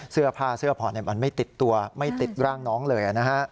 เสื้อผ้าเสื้อผ่อนมันไม่ติดตัวไม่ติดร่างน้องเลย